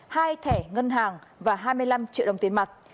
hai thẻ ngân hàng và hai mươi năm triệu đồng tiền mặt